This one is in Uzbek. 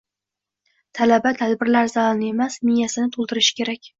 Talaba tadbirlar zalini emas, miyasini to‘ldirishi kerak”